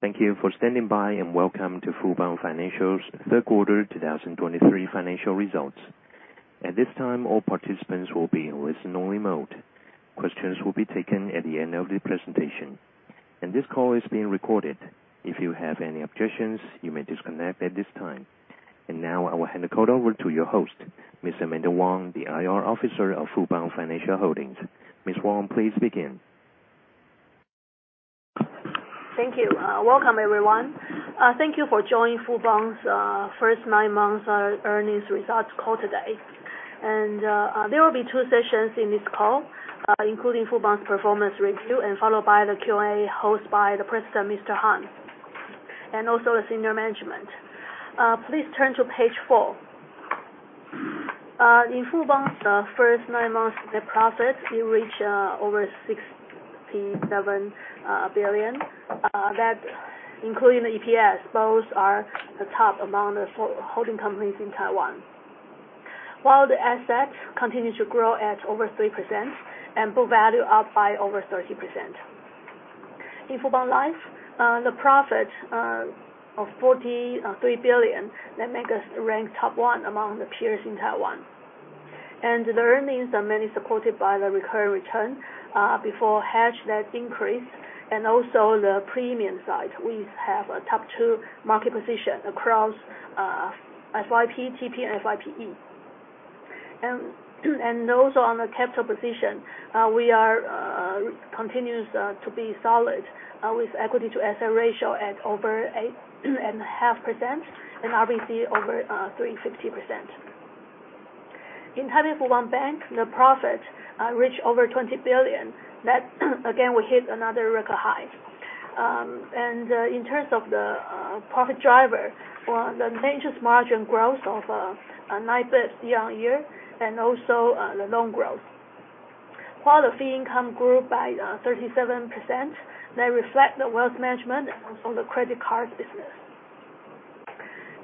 Thank you for standing by, and welcome to Fubon Financial's Third Quarter 2023 financial results. At this time, all participants will be in listen-only mode. Questions will be taken at the end of the presentation, and this call is being recorded. If you have any objections, you may disconnect at this time. Now I will hand the call over to your host, Ms. Amanda Wang, the IR Officer of Fubon Financial Holdings. Ms. Wang, please begin. Thank you. Welcome, everyone. Thank you for joining Fubon's first nine months earnings results call today. There will be two sessions in this call, including Fubon's performance review and followed by the Q&A, hosted by the President, Mr. Harn, and also the senior management. Please turn to page four. In Fubon's first nine months, the profit it reached over 67 billion dollars. That including the EPS, those are the top among the holding companies in Taiwan. While the assets continues to grow at over 3% and book value up by over 30%. In Fubon Life, the profit of 43 billion, that make us rank top one among the peers in Taiwan. And the earnings are mainly supported by the recurring return before hedge that increase, and also the premium side. We have a top-two market position across FYP, TP, and FYPE. In the capital position, we are continues to be solid with equity-to-asset ratio at over 8.5%, and RBC over 350%. In Taipei Fubon Bank, the profit reached over NTD 20 billion. That, again, we hit another record high. And in terms of the profit driver for the interest margin growth of 9% year-on-year and also the loan growth. While the fee income grew by 37%, that reflect the wealth management on the credit card business.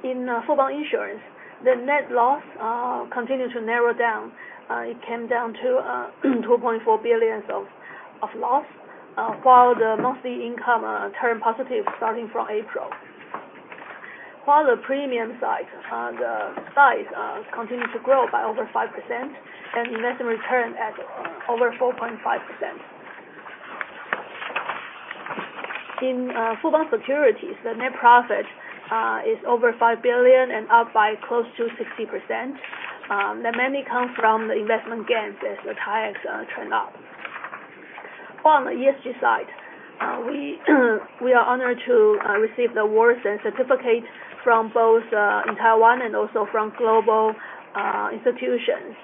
In Fubon Insurance, the net loss continued to narrow down. It came down to NTD 2.4 billion of loss, while the monthly income turned positive starting from April. While the premium side, the size continued to grow by over 5% and investment return at over 4.5%. In Fubon Financial, the net profit is over NTD 5 billion and up by close to 60%. That mainly comes from the investment gains as the TAIEX turned up. On the ESG side, we are honored to receive the awards and certificate from both in Taiwan and also from global institutions,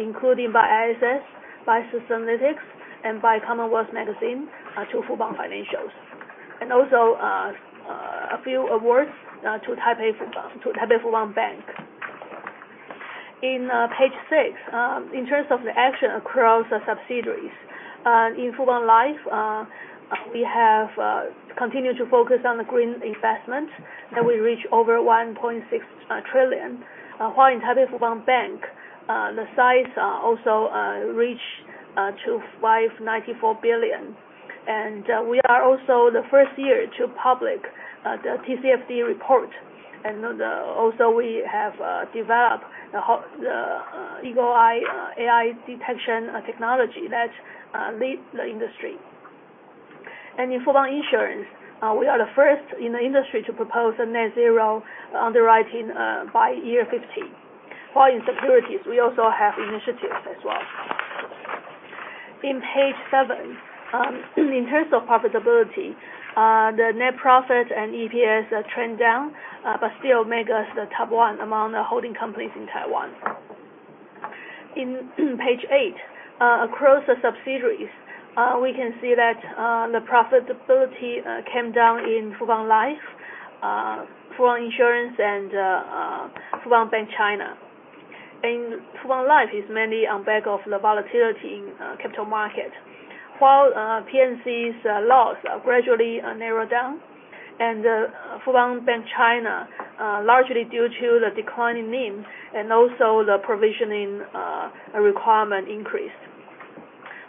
including by ISS, by Sustainalytics, and by Commonwealth Magazine to Fubon Financials, and also a few awards to Taipei Fubon Bank. In page 6, in terms of the action across the subsidiaries, in Fubon Life, we have continued to focus on the green investment, and we reached over NTD 1.6 trillion. While in Taipei Fubon Bank, the size also reached 594 billion. We are also the first year to publish the TCFD report. Also, we have developed the Eagle Eye AI detection technology that leads the industry. In Fubon Insurance, we are the first in the industry to propose a net zero underwriting by year fifteen. While in Securities, we also have initiatives as well. In page seven, in terms of profitability, the net profit and EPS are trend down, but still make us the top one among the holding companies in Taiwan. In page eight, across the subsidiaries, we can see that the profitability came down in Fubon Life, Fubon Insurance, and Fubon Bank China. In Fubon Life is mainly on back of the volatility in capital market, while P&C's loss gradually narrow down, and Fubon Bank (China) largely due to the decline in NIM and also the provisioning requirement increase.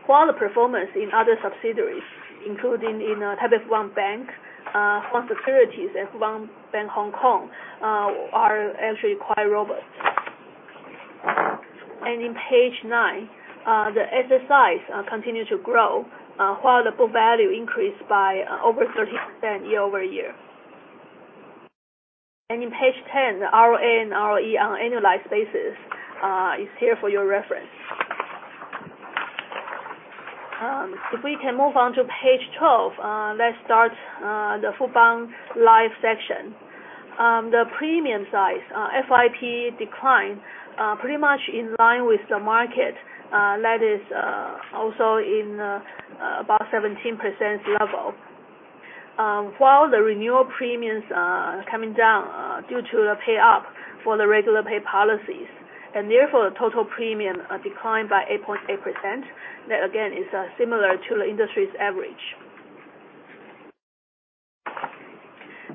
While the performance in other subsidiaries, including Taipei Fubon Bank, Fubon Securities and Fubon Bank (Hong Kong), are actually quite robust. In page 9, the asset size continued to grow, while the book value increased by over 30% year-over-year. In page 10, the ROA and ROE on annualized basis is here for your reference. If we can move on to page 12, let's start the Fubon Life section. The premium size, FYP declined pretty much in line with the market. That is also in about 17% level. While the renewal premiums are coming down due to the pay-up for the regular pay policies, and therefore, the total premium declined by 8.8%. That, again, is similar to the industry's average...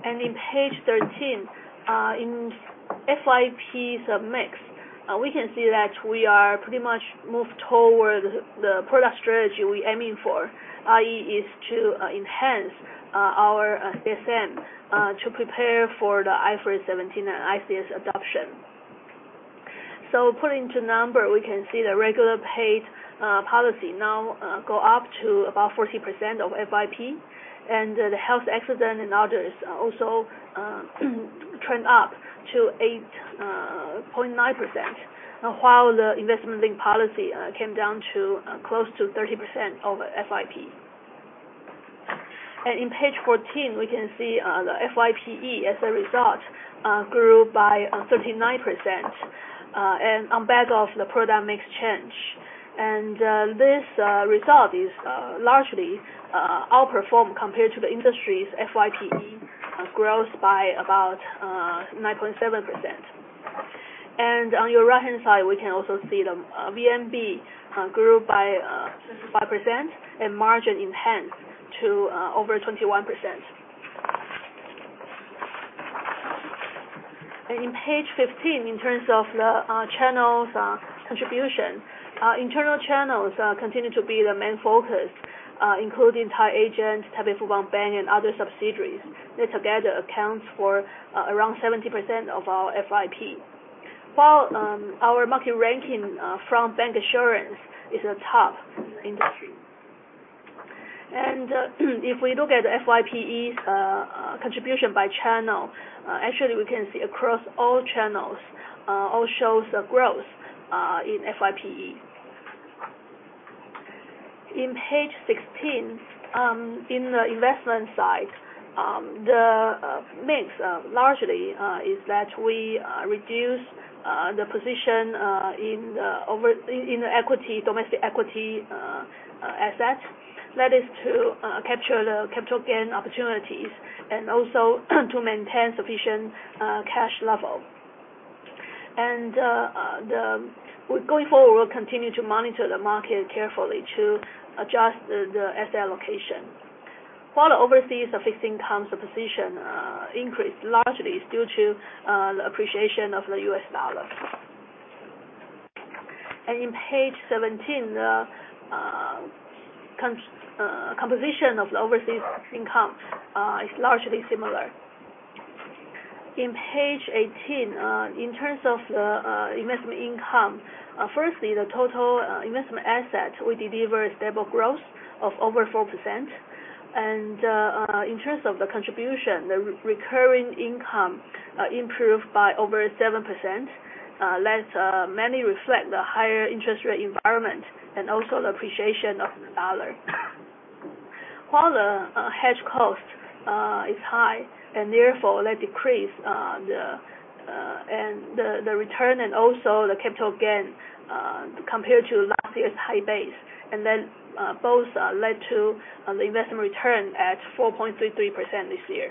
and in page 13, in FYP sub-mix, we can see that we are pretty much moved toward the product strategy we aiming for, i.e., is to enhance our CSM to prepare for the IFRS 17 and ICS adoption. Put into number, we can see the regular pay policy now go up to about 40% of FYP, and the health accident and others are also trend up to 8.9%, while the investment- linked policy came down to close to 30% of FYP. In page 14, we can see the FYPE, as a result, grew by 39%, and on behalf of the product mix change. This result is largely outperform compared to the industry's FYPE growth by about 9.7%. On your right-hand side, we can also see the VNB grew by 5% and margin enhanced to over 21%. In page 15, in terms of the channels contribution, internal channels continue to be the main focus, including tied agent, Taipei Fubon Bank, and other subsidiaries. They together accounts for around 70% of our FYP, while our market ranking from bancassurace is the top in the industry. If we look at the FYPE's contribution by channel, actually we can see across all channels, all shows the growth in FYPE. In page 16, in the investment side, the mix largely is that we reduce the position in the equity, domestic equity assets. That is to capture the capital gain opportunities and also to maintain sufficient cash level. Going forward, we'll continue to monitor the market carefully to adjust the asset allocation, while the overseas fixed income position increased largely is due to the appreciation of the US dollar. In page 17, the composition of the overseas income is largely similar. On page 18, in terms of the investment income, firstly, the total investment asset, we deliver a stable growth of over 4%. In terms of the contribution, the recurring income improved by over 7%, that mainly reflect the higher interest rate environment and also the appreciation of the dollar. While the hedge cost is high and therefore that decreases the return and also the capital gain compared to last year's high base, and then both led to the investment return at 4.33% this year.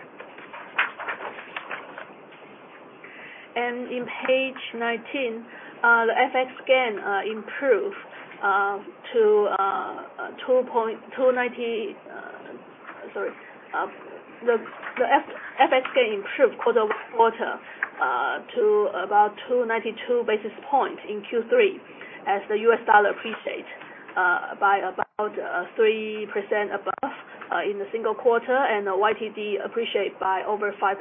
In page 19, the FX gain improved to 2.29... Sorry, the FX gain improved quarter-over-quarter to about 292 basis points in Q3, as the US dollar appreciate by about 3% above in the single quarter and the YTD appreciate by over 5%.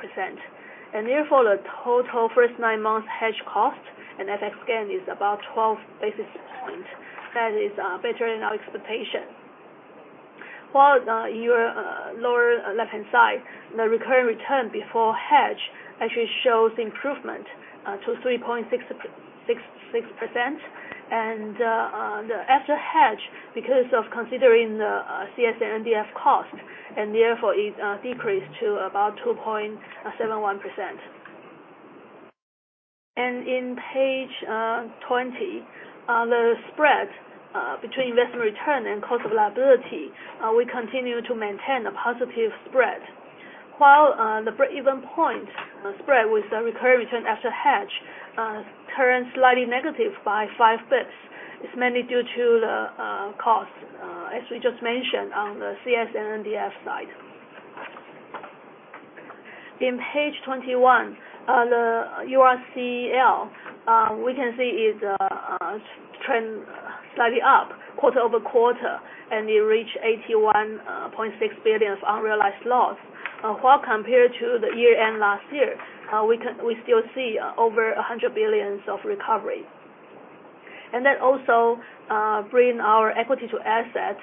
Therefore, the total first nine months hedge cost and FX gain is about 12 basis points. That is better than our expectation. While your lower left-hand side, the recurring return before hedge actually shows improvement to 3.666%. The after hedge, because of considering the CS and NDF cost, and therefore it decreased to about 2.71%. On page 20, the spread between investment return and cost of liability, we continue to maintain a positive spread, while the breakeven point spread with the recurring return after hedge turns slightly negative by 5 bps. It's mainly due to the cost, as we just mentioned, on the CS and NDF side. On page 21, the URGL we can see is trend slightly up quarter-over-quarter, and it reached NTD 81.6 billion of unrealized loss. While compared to the year-end last year, we can still see over NTD 100 billion of recovery. That also bring our equity to assets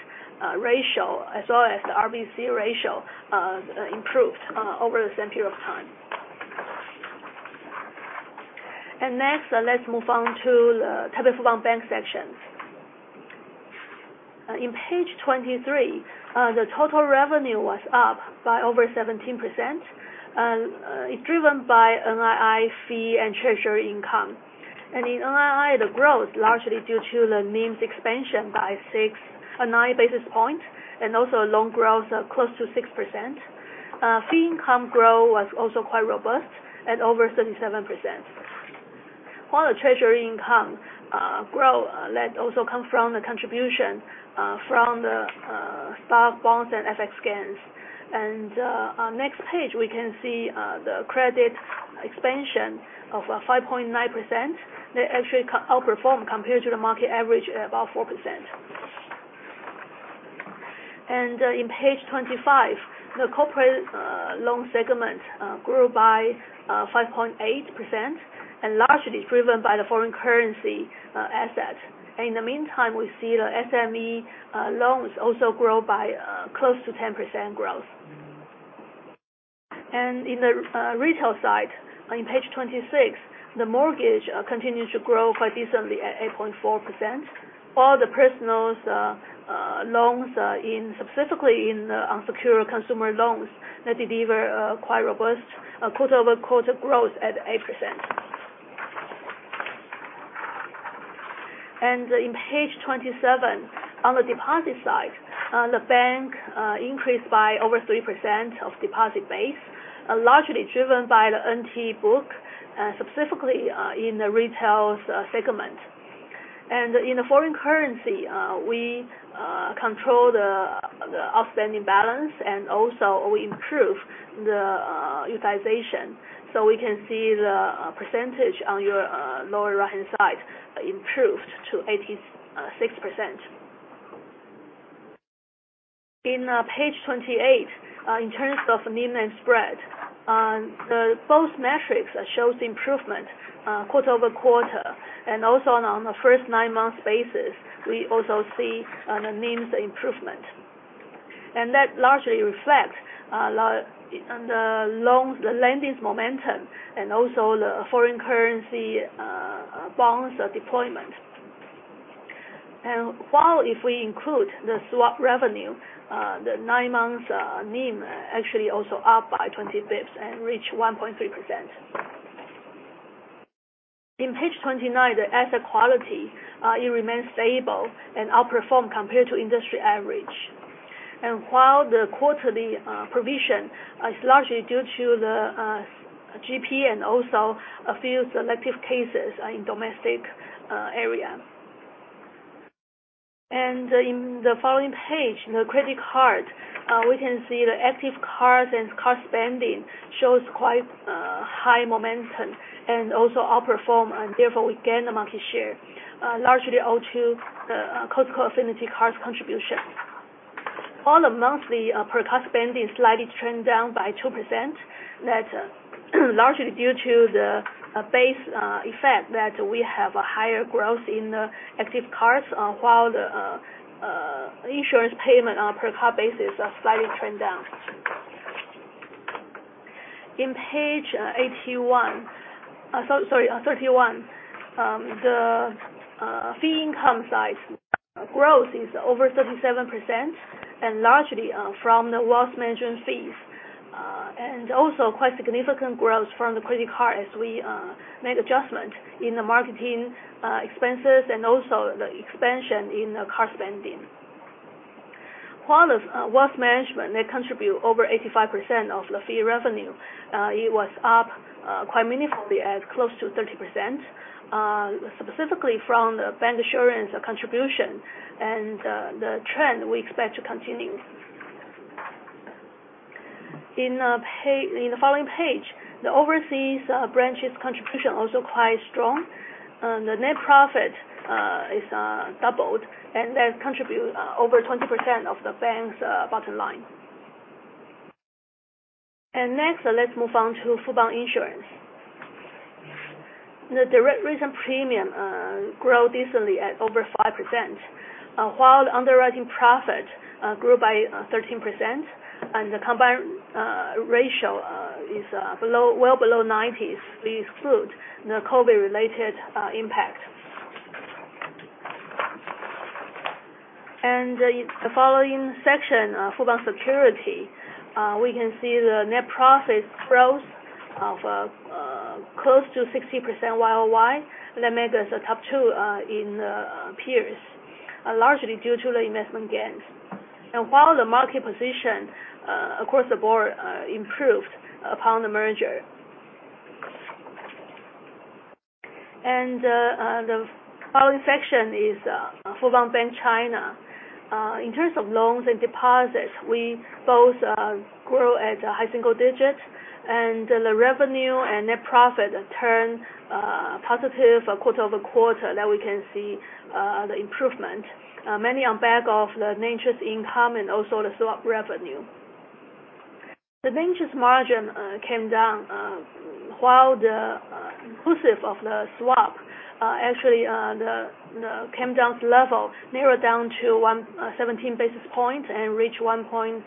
ratio, as well as the RBC ratio, improved over the same period of time. Next, let's move on to the Taipei Fubon Bank section. In page 23, the total revenue was up by over 17%, and it driven by NII, fee, and treasury income. And in NII, the growth largely due to the NIM expansion by 6-9 basis points, and also loan growth close to 6%. Fee income growth was also quite robust, at over 37%. While the treasury income grow, that also come from the contribution from the stock, bonds and FX gains. On next page, we can see the credit expansion of 5.9%. They actually co-outperform compared to the market average at about 4%. In page 25, the corporate loan segment grew by 5.8% and largely driven by the foreign currency asset. In the meantime, we see the SME loans also grow by close to 10% growth. In the retail side, on page 26, the mortgage continues to grow quite decently at 8.4%, while the personal loans, specifically in the unsecured consumer loans, that deliver quite robust quarter-over-quarter growth at 8%. In page 27, on the deposit side, the bank increased by over 3% of deposit base, largely driven by the NT book, specifically in the retail segment. In the foreign currency, we control the outstanding balance, and also we improve the utilization, so we can see the percentage on your lower right-hand side improved to 86%. In page 28, in terms of NIM and spread, on the both metrics shows improvement, quarter-over-quarter, and also on the first nine months basis, we also see the NIM's improvement. And that largely reflects on the loans, the lending's momentum and also the foreign currency bonds deployment. While we include the swap revenue, the nine months NIM actually also up by 20 basis points and reach 1.3%. In page 29, the asset quality it remains stable and outperform compared to industry average. And while the quarterly provision is largely due to the GP and also a few selective cases in domestic area. In the following page, in the credit card, we can see the active cards and card spending shows quite high momentum and also outperform, and therefore we gain the market share largely owe to the Costco Affinity card's contribution. On a monthly per card spending slightly trend down by 2%. That's largely due to the base effect that we have a higher growth in the active cards while the insurance payment on a per card basis are slightly trend down. In page 31, the fee income side growth is over 37% and largely from the wealth management fees and also quite significant growth from the credit card as we made adjustment in the marketing expenses and also the expansion in the card spending. While the wealth management may contribute over 85% of the fee revenue, it was up quite meaningfully at close to 30%, specifically from the bancassurance contribution and the trend we expect to continue. In the following page, the overseas branches contribution also quite strong. The net profit is doubled, and that contribute over 20% of the bank's bottom line. Next, let's move on to Fubon Insurance. The direct written premium grow decently at over 5%, while underwriting profit grew by 13%, and the combined ratio is below, well below 90s. We exclude the COVID-related impact. In the following section, Fubon Securities, we can see the net profit growth of close to 60% year-over-year, that make us a top two in the peers, largely due to the investment gains. The market position across the board improved upon the merger. In the following section is Fubon Bank (China). In terms of loans and deposits, we both grow at a high single digits, and the revenue and net profit turn positive quarter-over-quarter, that we can see the improvement mainly on back of the net interest income and also the swap revenue. The net interest margin came down while the inclusive of the swap actually the came down level narrowed down to 117 basis points and reached 1.38%.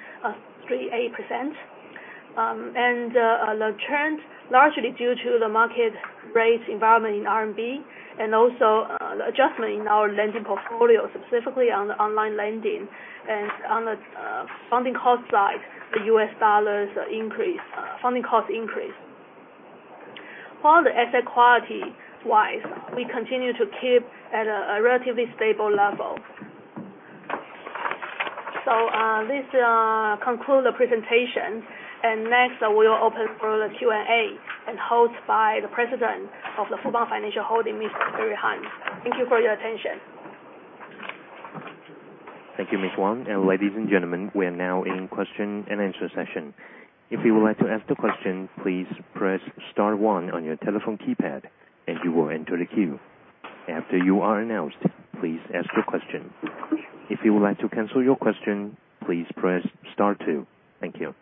The trend largely due to the market rate environment in RMB and also the adjustment in our lending portfolio, specifically on the online lending. On the funding cost side, the US dollars increase funding cost increase. While the asset quality-wise, we continue to keep at a relatively stable level. This concludes the presentation, and next, we will open for the Q&A hosted by the President of Fubon Financial Holding, Mr. Jerry Harn. Thank you for your attention. Thank you, Miss Wang. Ladies and gentlemen, we are now in question and answer session. If you would like to ask the question, please press star one on your telephone keypad, and you will enter the queue. After you are announced, please ask your question. If you would like to cancel your question, please press star two. Thank you.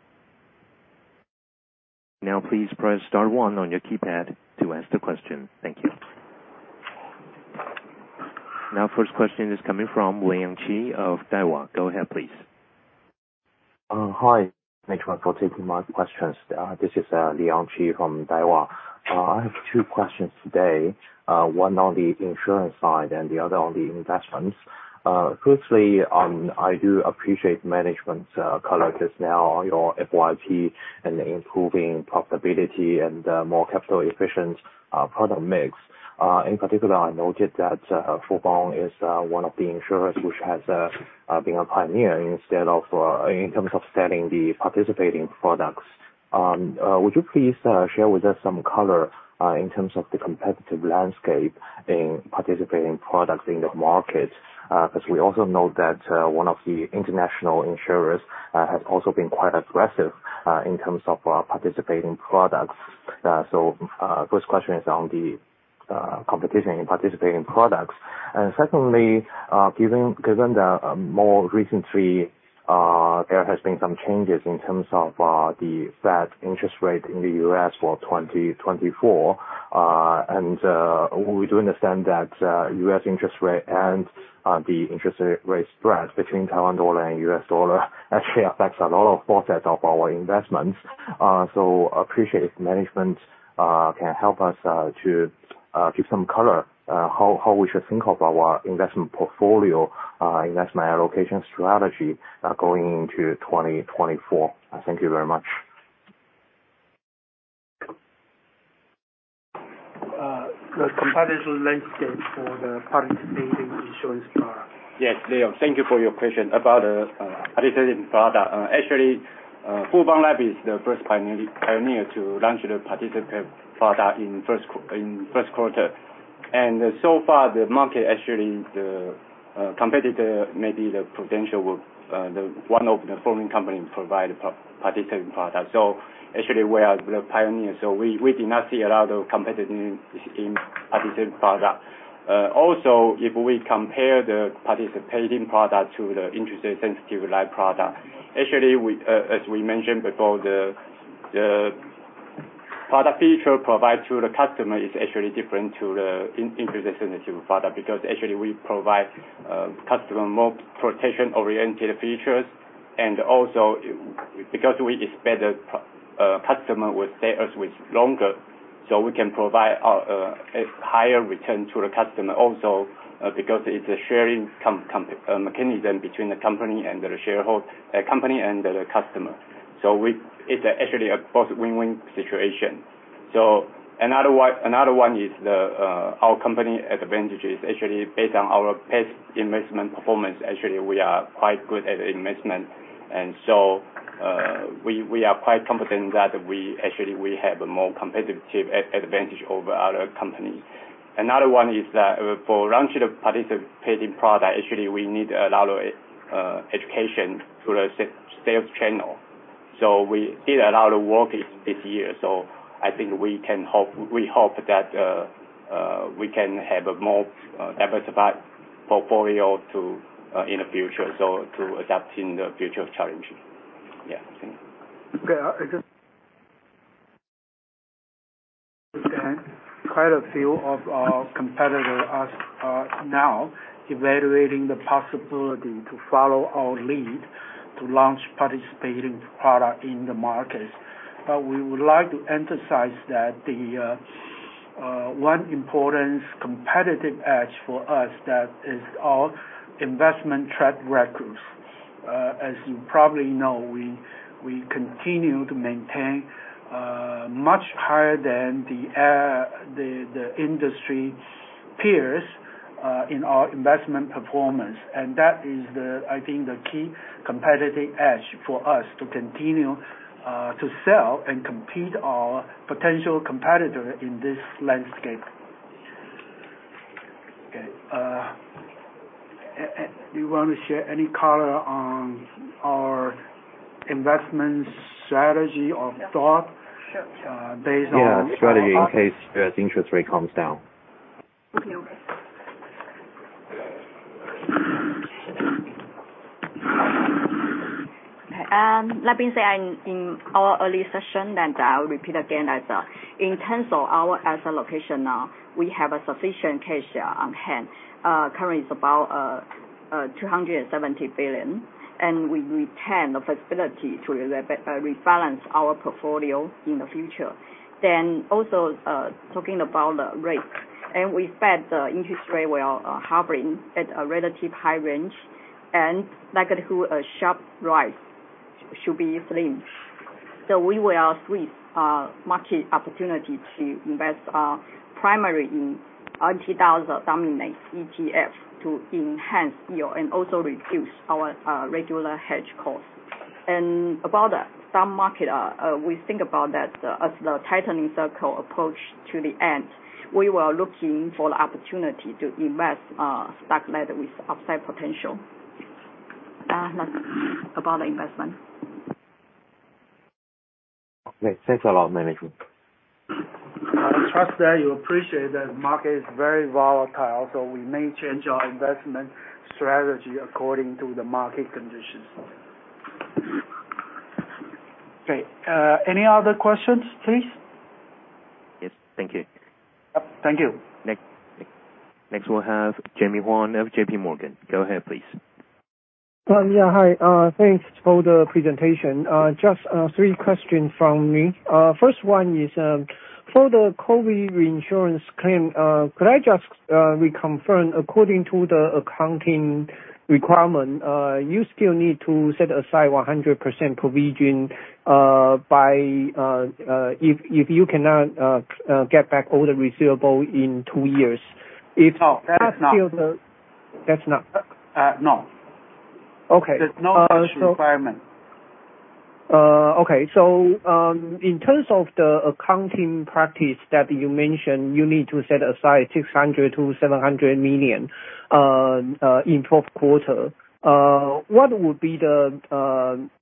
Now, please press star one on your keypad to ask the question. Thank you. Now first question is coming from Leon Qi of Daiwa. Go ahead, please. Hi. Thanks for taking my questions. This is Leon Qi from Daiwa. I have two questions today, one on the insurance side and the other on the investments. Firstly, I do appreciate management's color just now on your FYP and improving profitability and more capital efficient product mix. In particular, I noted that Fubon is one of the insurers which has been a pioneer instead of in terms of selling the participating products. Would you please share with us some color in terms of the competitive landscape in participating products in the market? Because we also know that one of the international insurers has also been quite aggressive in terms of participating products. First question is on the competition in participating products. Secondly, given the more recently, there has been some changes in terms of the Fed interest rate in the U.S. for 2024. We do understand that U.S. interest rate and the interest rate spread between Taiwan dollar and US dollar actually affects a lot of process of our investments. So appreciate if management can help us to give some color how we should think of our investment portfolio, investment allocation strategy, going into 2024. Thank you very much. The competitive landscape for the participating insurance product. Yes, Leon, thank you for your question. About the participating product. Actually, Fubon Life is the first pioneer to launch the participating product in first quarter. And so far, the market, actually, the competitor may be the potential the one of the foreign company provide participating product. Actually, we are the pioneer, so we do not see a lot of competition in participating product. Also, if we compare the participating product to the interest-sensitive life product, actually, as we mentioned before, the product feature provided to the customer is actually different to the interest-sensitive product, because actually we provide customer more protection-oriented features. And because we expect the customer will stay with us longer, so we can provide a higher return to the customer also, because it's a sharing mechanism between the company and the shareholder, company and the customer. We... It's actually a both win-win situation. Another one is our company advantages actually based on our past investment performance. Actually, we are quite good at investment, and so we are quite confident that we actually have a more competitive advantage over other companies. Another one is that for launching the participating product, actually we need a lot of education through the sales channel, so we did a lot of work this year. I think we can hope, we hope that we can have a more diversified portfolio to in the future, so to adapting the future challenges. Yeah. Okay, quite a few of our competitors are now evaluating the possibility to follow our lead to launch participating product in the market. We would like to emphasize that the one important competitive edge for us, that is our investment track records. As you probably know, we continue to maintain much higher than the industry peers in our investment performance. That is, I think, the key competitive edge for us to continue to sell and compete our potential competitor in this landscape. Okay, do you want to share any color on our investment strategy or thought? Sure. Based on- Yeah, strategy in case the interest rate comes down. Okay. Let me say, in our earlier session, and I will repeat again, as in terms of our asset allocation now, we have a sufficient cash on hand. Currently it's about 270 billion, and we retain the flexibility to rebalance our portfolio in the future. Also, talking about the rate, and we expect the interest rate will hovering at a relatively high range and the likelihood of a sharp rise should be slim. We will switch market opportunity to invest primarily in NTD-denominated ETF to enhance yield and also reduce our regular hedge costs. And about the stock market, we think about that, as the tightening cycle approach to the end, we were looking for the opportunity to invest stock market with upside potential. That's about the investment. Thanks a lot, Jerry. I trust that you appreciate that the market is very volatile, so we may change our investment strategy according to the market conditions. Okay. Any other questions, please? Yes. Thank you. Yep, thank you. Next, next we'll have Jimmy Huang of J.P. Morgan. Go ahead, please. Yeah. Hi. Thanks for the presentation. Just three questions from me. First one is for the COVID reinsurance claim. Could I just reconfirm according to the accounting requirement, you still need to set aside 100% provision by if you cannot get back all the receivable in two years? It's- No, that is not. That's not? No. Okay. So There's no such requirement. Okay. In terms of the accounting practice that you mentioned, you need to set aside 600 million-700 million in fourth quarter. What would be the,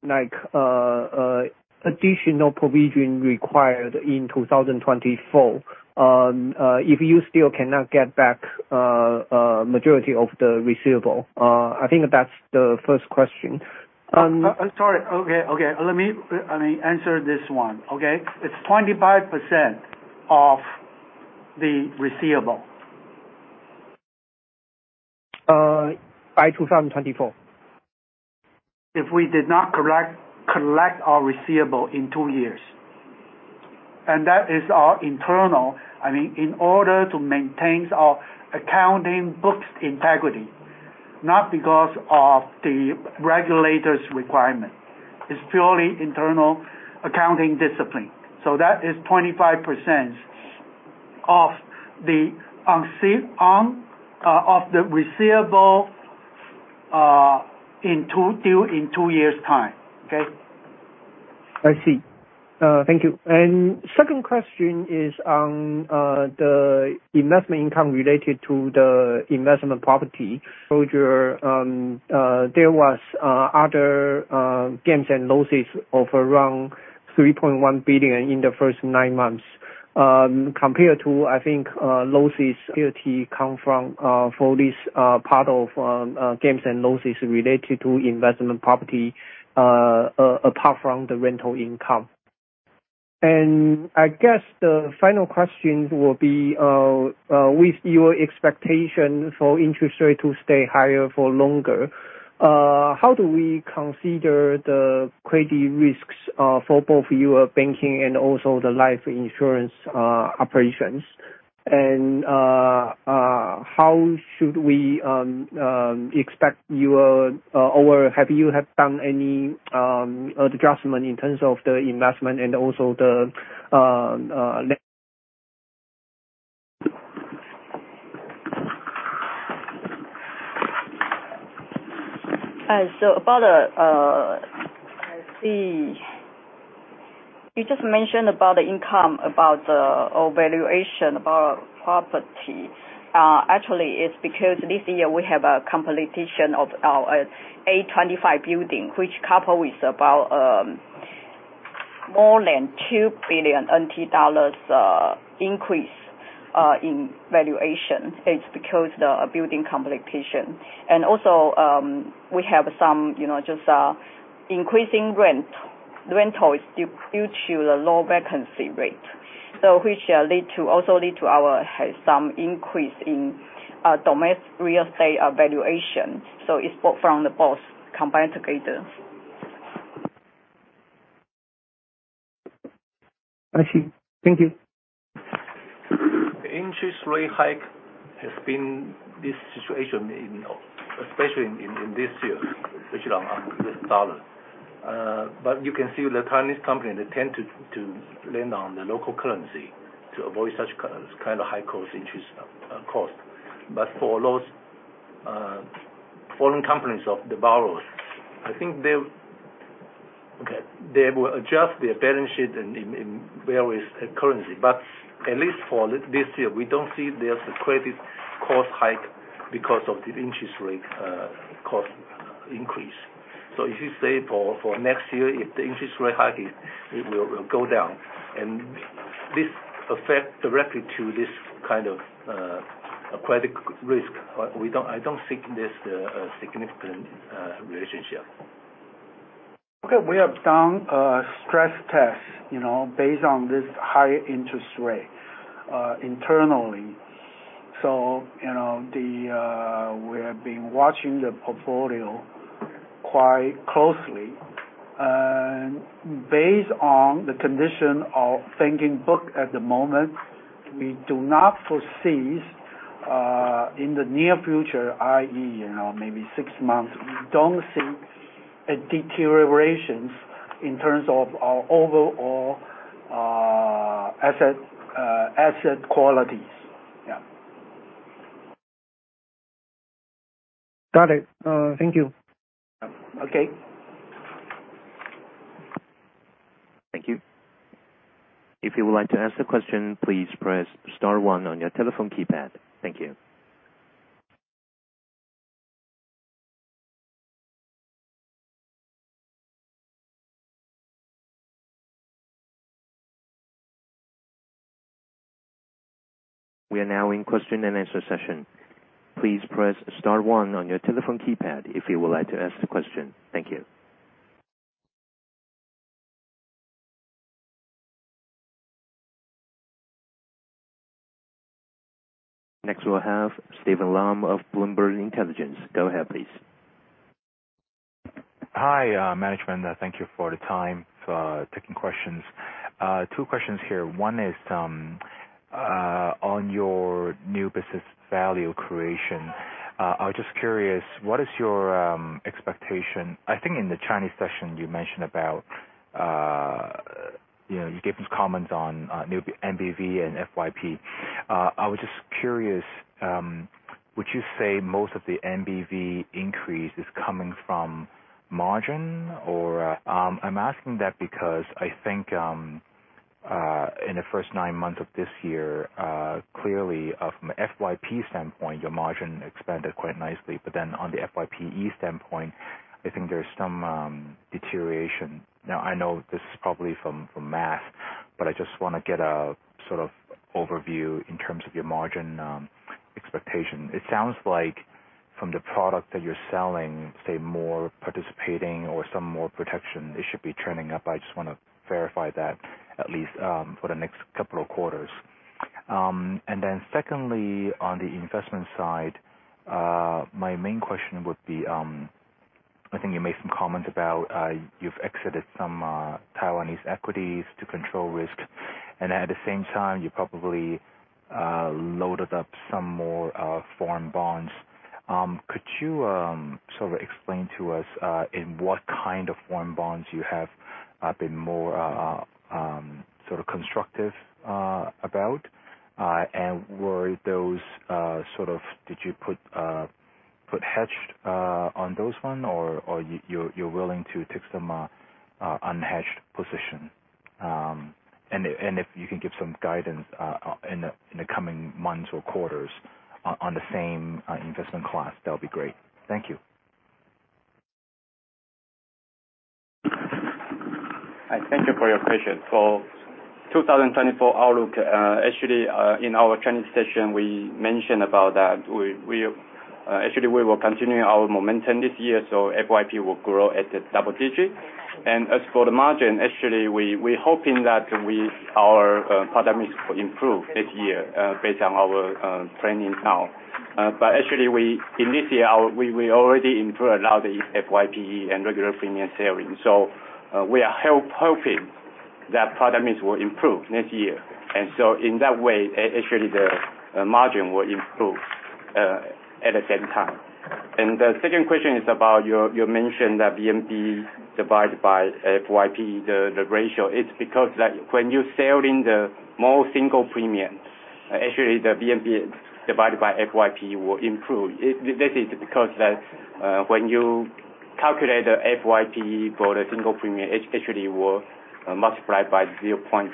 like, additional provision required in 2024, if you still cannot get back majority of the receivable? I think that's the first question. Sorry. Okay, okay. Let me, let me answer this one, okay? It's 25% of the receivable. By 2024? If we did not collect our receivable in two years, and that is our internal, I mean, in order to maintain our accounting books' integrity, not because of the regulators' requirement. It's purely internal accounting discipline. That is 25% of the receivable due in two years' time. Okay? I see. Thank you. Second question is on the investment income related to the investment property. There was other gains and losses of around 3.1 billion in the first nine months. Compared to, I think, losses come from for this part of gains and losses related to investment property apart from the rental income. I guess the final question will be with your expectation for interest rate to stay higher for longer, how do we consider the credit risks for both your banking and also the life insurance operations? How should we expect you or have you have done any adjustment in terms of the investment and also the le- About the, let's see. You just mentioned about the income, about the evaluation, about property. Actually, it's because this year we have a completion of our A25 building, which coupled with about more than NTD 2 billion increase in valuation. It's because the building completion. We have some, you know, just increasing rent. Rental is due to the low vacancy rate, so which lead to also lead to our some increase in domestic real estate valuation. It's both from the both combined together. I see. Thank you. Interest rate hike has been this situation in, especially in this year, which along this dollar. But you can see the Chinese company, they tend to lend on the local currency to avoid such kind of high-cost interest cost. For those foreign companies of the borrowers, I think they... Okay, they will adjust their balance sheet in various currency. At least for this year, we don't see there's a credit cost hike because of the interest rate cost increase. If you say for next year, if the interest rate hike, it will go down, and this affect directly to this kind of credit risk. We don't, I don't think there's a significant relationship. Okay, we have done a stress test, you know, based on this high interest rate, internally. We have been watching the portfolio quite closely. Based on the condition of the loan book at the moment, we do not foresee in the near future, i.e., you know, maybe six months, we don't see a deterioration in terms of our overall asset qualities. Yeah. Got it. Thank you. Okay. Thank you. If you would like to ask the question, please press star one on your telephone keypad. Thank you. We are now in question and answer session. Please press star one on your telephone keypad if you would like to ask the question. Thank you. Next, we'll have Steven Lam of Bloomberg Intelligence. Go ahead, please. Hi, management. Thank you for the time for taking questions. Two questions here. One is on your new business value creation. I was just curious, what is your expectation? I think in the Chinese session you mentioned about, you know, you gave some comments on NBV and FYP. I was just curious, would you say most of the NBV increase is coming from margin or? I'm asking that because I think in the first nine months of this year, clearly from an FYP standpoint, your margin expanded quite nicely. Then on the FYPE standpoint, I think there's some deterioration. Now, I know this is probably from math, but I just want to get a sort of overview in terms of your margin expectation. It sounds like from the product that you're selling, say, more participating or some more protection, it should be trending up. I just want to verify that at least for the next couple of quarters. Then secondly, on the investment side, my main question would be, I think you made some comment about, you've exited some Taiwanese equities to control risk, and at the same time, you probably loaded up some more foreign bonds. Could you sort of explain to us in what kind of foreign bonds you have been more sort of constructive about? Were those sort of... Did you put hedged on those one, or you're willing to take some unhedged position? If you can give some guidance in the coming months or quarters on the same investment class, that would be great. Thank you. I thank you for your question. For 2024 outlook, actually, in our Chinese session, we mentioned about that. We actually will continue our momentum this year, so FYP will grow at a double digit. As for the margin, actually we hoping that our parameters improve this year, based on our trending now. Actually, in this year, we already improved a lot of FYPE and regular premium sharing. We are hoping that parameters will improve next year. In that way, actually, the margin will improve at the same time. The second question is about your, you mentioned that VNB divided by FYP, the ratio. It's because that when you sell more single premium, actually the VNB divided by FYP will improve. This is because that, when you calculate the FYPE for the single premium, it actually will multiply by 0.1%,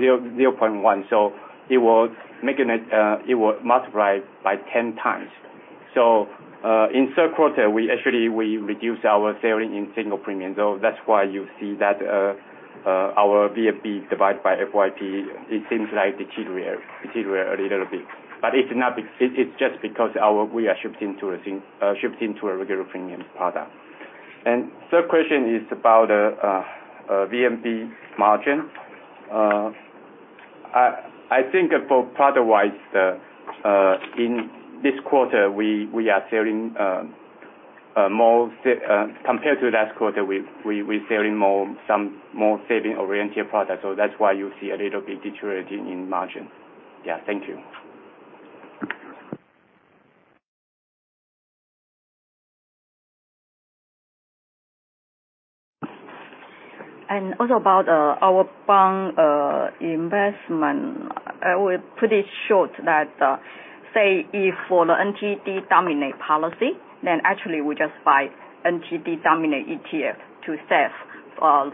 0, 0.1. So it will making it, it will multiply by 10 times. In third quarter, we actually, we reduce our sharing in single premium. That's why you see that, our VNB divided by FYP, it seems like deteriorate, deteriorate a little bit, but it's not because, it is just because our... We are shifting to a thing, shifting to a regular premium product. Third question is about, VNB margin. I think for product wise, in this quarter, we, we are sharing, more sa- compared to last quarter, we, we, we sharing more, some more saving-oriented products. That's why you see a little bit deteriorating in margin. Yeah. Thank you. About our bond investment. I will put it short that say, if for the NTD denominated policy, then actually we just buy NTD denominated ETF to save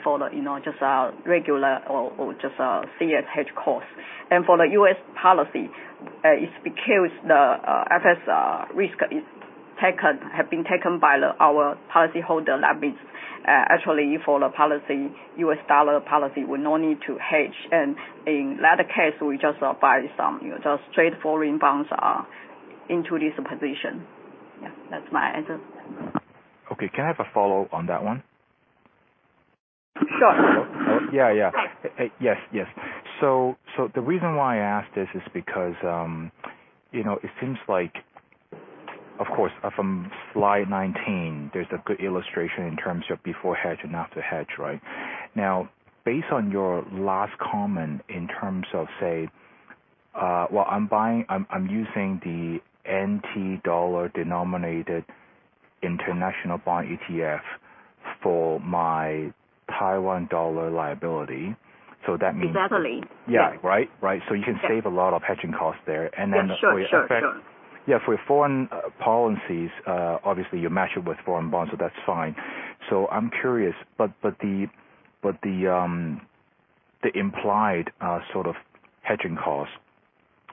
for the, you know, just regular or just CS hedge costs. For the US policy, it's because the FX risk is taken, have been taken by our policyholder. That means actually, for the policy, US dollar policy, we no need to hedge. And in that case, we just buy some, you know, just straightforward bonds or into this position. Yeah, that's my answer. Okay. Can I have a follow on that one? Sure. Yeah, yeah. Yes. The reason why I ask this is because, you know, of course, from slide 19, there's a good illustration in terms of before hedge and after hedge, right? Now, based on your last comment, in terms of, say, well, I'm buying - I'm using the NT dollar denominated international bond ETF for my Taiwan dollar liability. So that means- Exactly. Yeah. Right? You can save a lot of hedging costs there. Yes, sure, sure, sure. Yeah, for foreign policies, obviously, you match it with foreign bonds, so that's fine. I'm curious, but the implied sort of hedging costs,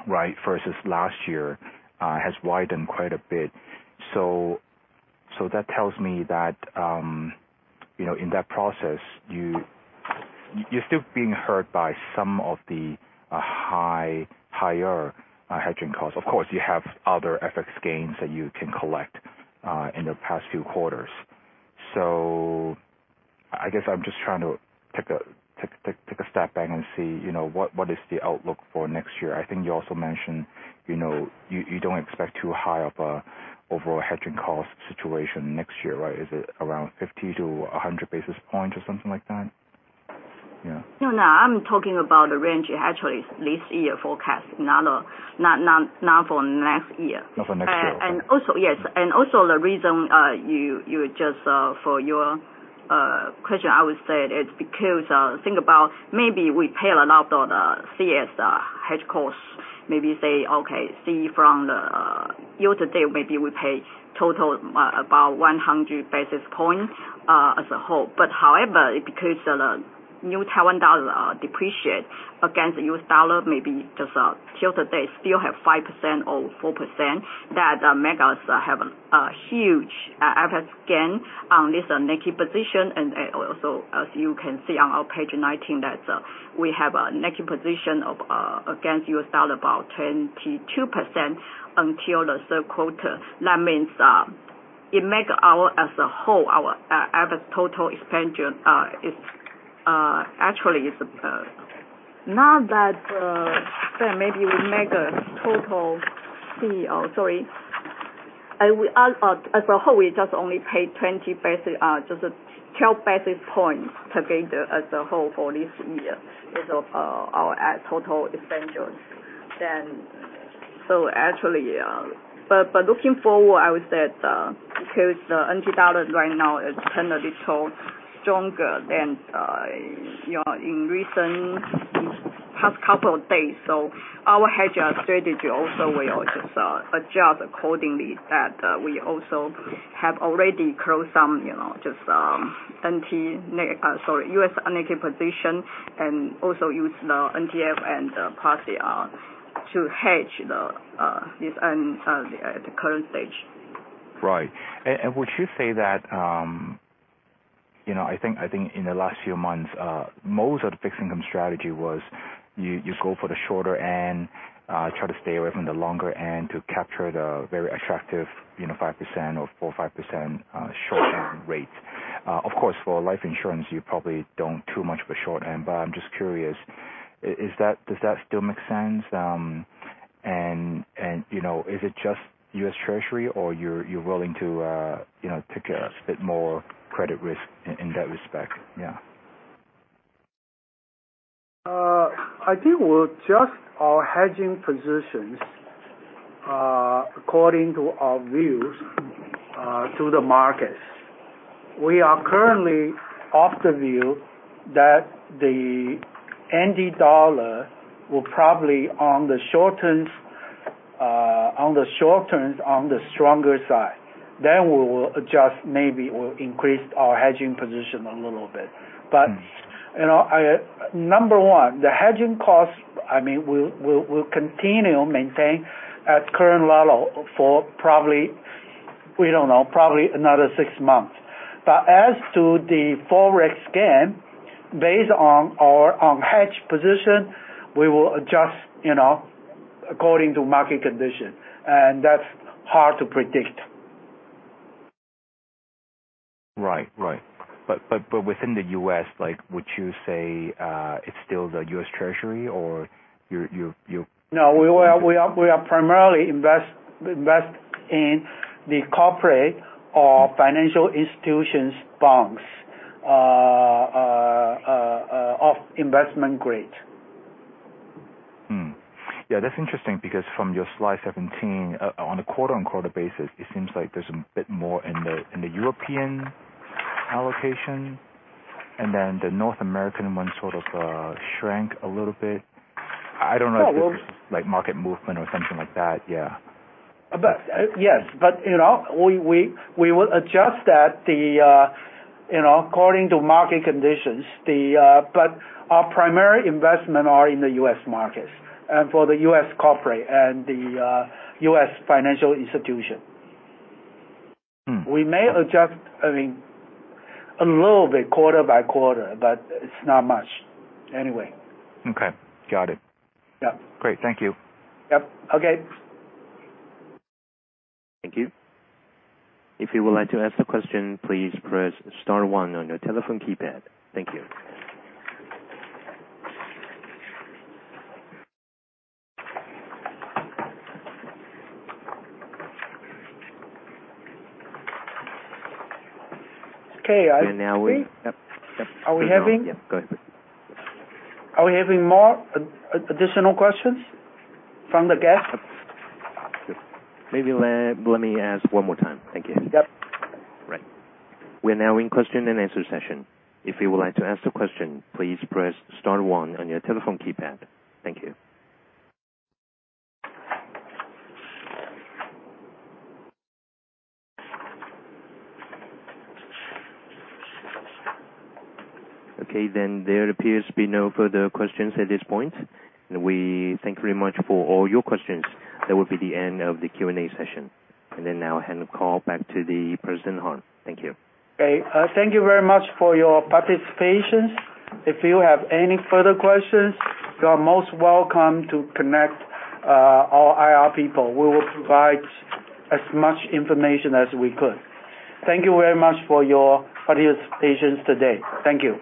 right, versus last year, has widened quite a bit. That tells me that, you know, in that process, you, you're still being hurt by some of the higher hedging costs. Of course, you have other FX gains that you can collect in the past few quarters. So I guess I'm just trying to take a step back and see, you know, what is the outlook for next year. I think you also mentioned, you know, you don't expect too high of a overall hedging cost situation next year, right? Is it around 50-100 basis points or something like that? Yeah. No, no, I'm talking about the range actually this year forecast, not, not, not for next year. Not for next year. The reason for your question, I would say it's because think about maybe we pay a lot on the CS hedge costs. From the year-to-date, maybe we pay total about 100 basis points as a whole. However, because the New Taiwan Dollar depreciate against the US dollar, maybe just till today, still have 5% or 4%, that make us have a huge average gain on this naked position. As you can see on our page 19, that we have a naked position against US dollar, about 22% until the third quarter. That means, it makes our, as a whole, our average total expense is actually not that, then maybe we make a total fee. Oh, sorry. We, as a whole, we just only pay 12 basis points together as a whole for this year, is our total expenses. Actually, but looking forward, I would say that because the NT dollar right now is kind of a little stronger than you know in recent past couple of days. Our hedge strategy also will just adjust accordingly, that we also have already closed some you know just NT sorry US naked position and also use the NDF and policy to hedge this at the current stage. Right. Would you say that, you know, I think in the last few months, most of the fixed income strategy was you go for the shorter end, try to stay away from the longer end to capture the very attractive, you know, 5% or 4-5%, short-term rate. Of course, for life insurance, you probably don't too much of a short end. I'm just curious, is that, does that still make sense? Is it just US Treasury, or you're willing to, you know, take a bit more credit risk in that respect? Yeah. I think we'll adjust our hedging positions, according to our views, to the markets. We are currently of the view that the NT dollar will probably on the short terms, on the stronger side, then we will adjust. Maybe we'll increase our hedging position a little bit. Number one, the hedging costs, I mean, we'll continue maintain at current level for probably, we don't know, probably another six months. As to the Forex gain, based on our unhedged position, we will adjust, you know, according to market conditions, and that's hard to predict. Right. Within the U.S., like, would you say, it's still the US Treasury or you're, you're, you're- No, we are primarily invest in the corporate or financial institutions, banks, of investment grade. Hmm. Yeah, that's interesting because from your slide 17, on a quarter-on-quarter basis, it seems like there's a bit more in the, in the European allocation, and then the North American one sort of shrank a little bit. I don't know if it's like market movement or something like that. Yeah. Yes, we will adjust that the, you know, according to market conditions, the... Our primary investment are in the US Markets and for the US Corporate and the US Financial Institution. We may adjust, I mean, a little bit quarter by quarter, but it's not much anyway. Okay, got it. Yeah. Great. Thank you. Yep. Okay. Thank you. If you would like to ask a question, please press star one on your telephone keypad. Thank you. Okay, I- We're now Are we having? Yep, go ahead. Are we having more additional questions from the guest? Maybe let me ask one more time. Thank you. Yep. Right. We're now in question and answer session. If you would like to ask a question, please press star one on your telephone keypad. Thank you. Okay, then there appears to be no further questions at this point, and we thank you very much for all your questions. That will be the end of the Q&A session, and then now I hand the call back to President Harn. Thank you. Okay. Thank you very much for your participation. If you have any further questions, you are most welcome to connect, our IR people. We will provide as much information as we could. Thank you very much for your participation today. Thank you.